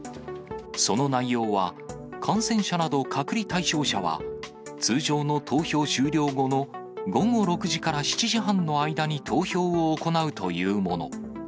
その内容は、感染者など隔離対象者は、通常の投票終了後の午後６時から７時半の間に投票を行うというもの。